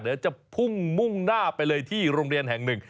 เดี๋ยวจะพุ่งมุ่งหน้าไปเลยที่โรงเรียนแห่งหนึ่ง